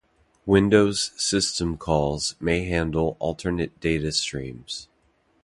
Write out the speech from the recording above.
Windows system calls may handle alternate data streams.